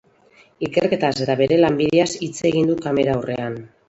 Ikerketaz eta bere lanbideaz hitz egin du kamera aurrean.